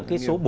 cái số bốn